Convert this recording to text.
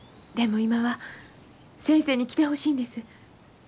でも今は先生に来てほしいんです。